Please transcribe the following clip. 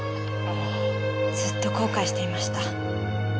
ずっと後悔していました。